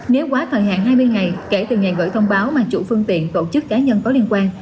nếu quá thời hạn hai mươi ngày kể từ ngày gửi thông báo mà chủ phương tiện tổ chức cá nhân có liên quan